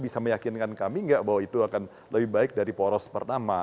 bisa meyakinkan kami nggak bahwa itu akan lebih baik dari poros pertama